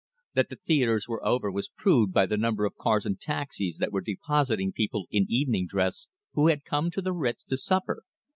That the theatres were over was proved by the number of cars and taxis that were depositing people in evening dress who had come to the Ritz to supper.